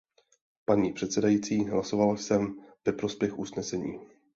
Paní předsedající, hlasoval jsem ve prospěch usnesení.